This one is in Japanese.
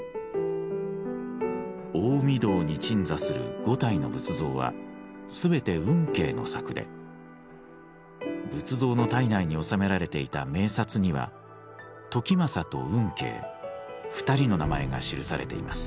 大御堂に鎮座する５体の仏像は全て運慶の作で仏像の胎内に納められていた銘札には時政と運慶２人の名前が記されています。